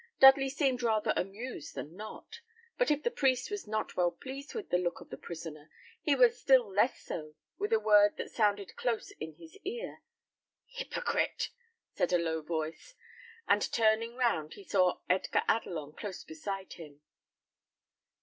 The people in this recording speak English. Dudley seemed rather amused than not; but if the priest was not well pleased with the look of the prisoner, he was still less so with a word that sounded close in his ear. "Hypocrite!" said a low voice, and turning round, he saw Edgar Adelon close beside him.